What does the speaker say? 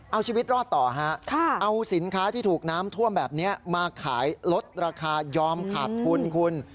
เอาชีวิตรอดต่อฮะเอาสินค้าที่ถูกน้ำท่วมแบบนี้มาขายลดราคายอมขาดทุนคุณ